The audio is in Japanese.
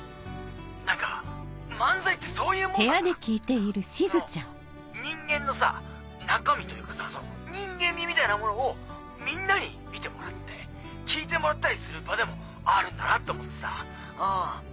何か漫才ってそういうもんなんだなと思ってさその人間のさ中身というかさ人間味みたいなものをみんなに見てもらって聞いてもらったりする場でもあるんだなと思ってさうん。